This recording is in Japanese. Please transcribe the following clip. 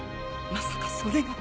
まさかそれが。